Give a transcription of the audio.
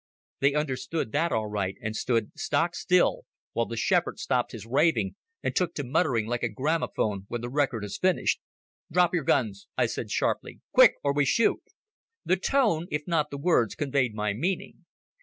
They understood that all right and stood stock still, while the shepherd stopped his raving and took to muttering like a gramophone when the record is finished. "Drop your guns," I said sharply. "Quick, or we shoot." The tone, if not the words, conveyed my meaning.